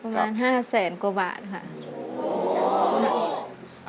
ประมาณ๕แสนกว่าบาทค่ะ